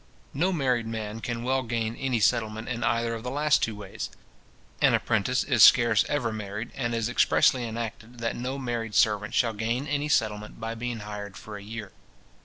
No married man can well gain any settlement in either of the two last ways. An apprentice is scarce ever married; and it is expressly enacted, that no married servant shall gain any settlement by being hired for a year.